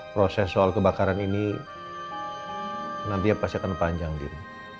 proses soal kebakaran ini nantinya pasti akan panjang gitu